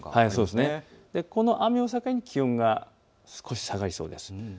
この雨を境に気温が下がりそうです。